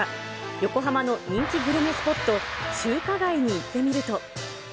横浜の人気グルメスポット、中華街に行ってみると。